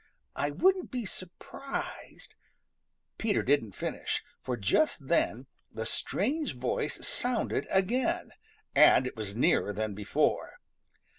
I wouldn't be surprised " Peter didn't finish, for just then the strange voice sounded again, and it was nearer than before.